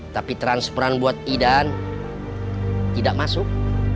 tapi transferan buat idan tidak masuk